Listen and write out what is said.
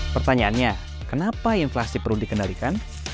pertanyaannya kenapa inflasi perlu dikendalikan